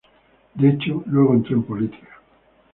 De hecho, luego entró en política.